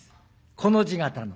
コの字形の。